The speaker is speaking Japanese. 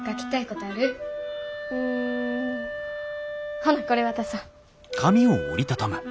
ほなこれ渡そ。